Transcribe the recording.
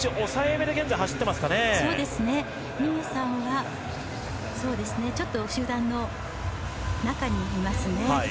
そうですね、新谷さんはちょっと集団の中にいますね。